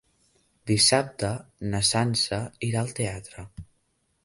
Dissabte na Sança irà al teatre.